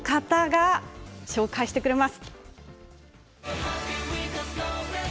この方が紹介してくれます。